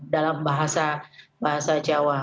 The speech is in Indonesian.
dalam bahasa jawa